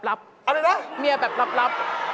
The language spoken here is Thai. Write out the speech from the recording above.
อะไรนะเมียแบบลับ